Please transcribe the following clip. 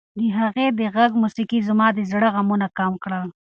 د هغې د غږ موسیقۍ زما د زړه غمونه کم کړل.